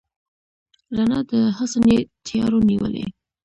رڼا د حسن یې تیارو نیولې